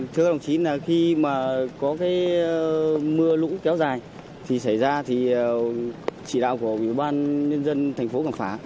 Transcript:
thưa đồng chí khi mà có cái mưa lũ kéo dài thì xảy ra thì chỉ đạo của ủy ban nhân dân thành phố cảng phá